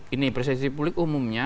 ini persepsi publik umumnya